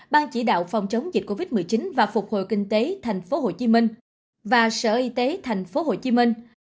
ban chỉ đạo phòng chống dịch covid một mươi chín và phục hồi kinh tế tp hcm và sở y tế tp hcm